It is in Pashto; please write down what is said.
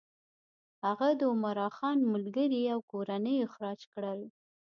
هغه د عمرا خان ملګري او کورنۍ اخراج کړل.